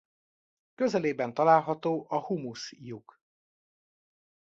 Közelében található a Humusz-lyuk.